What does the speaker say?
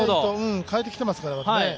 変えてきてますからね。